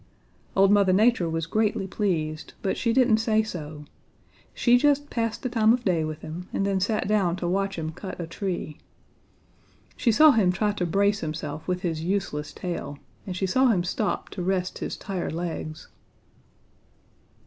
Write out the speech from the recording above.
Old Mother Nature was greatly pleased, but she didn't say so. She just passed the time of day with him and then sat down to watch him cut a tree. She saw him try to brace himself with his useless tail, and she saw him stop to rest his tired legs.